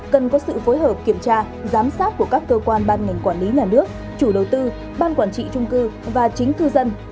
cần có sự phối hợp kiểm tra giám sát của các cơ quan ban ngành quản lý nhà nước chủ đầu tư ban quản trị trung cư và chính cư dân